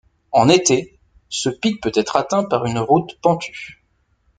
En été, ce pic peut être atteint par une route pentue.